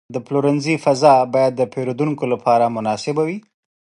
د پلورنځي فضا باید د پیرودونکو لپاره مناسب وي.